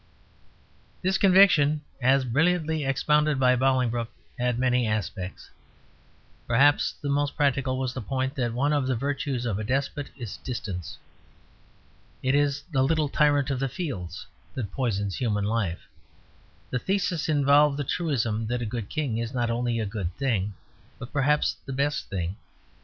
This conviction, as brilliantly expounded by Bolingbroke, had many aspects; perhaps the most practical was the point that one of the virtues of a despot is distance. It is "the little tyrant of the fields" that poisons human life. The thesis involved the truism that a good king is not only a good thing, but perhaps the best thing.